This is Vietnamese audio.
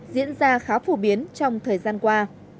diễn ra khá phổ biến trong thời gian qua